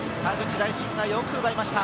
大慎がよく奪いました。